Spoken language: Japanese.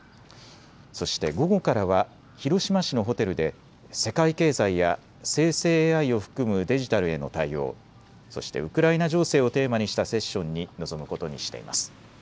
そして午後からは広島市のホテルで世界経済や生成ＡＩを含むデジタルへの対応、そしてウクライナ情勢をテーマにしたセッションに臨むことにしています。